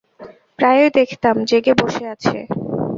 প্রায়ই দেখতাম জেগে বসে আছে।